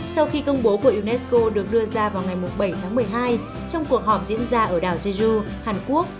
sau khi công bố của unesco được đưa ra vào ngày bảy tháng một mươi hai trong cuộc họp diễn ra ở đảo jeju hàn quốc